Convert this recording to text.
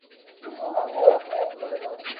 katika ofisi zake kule hague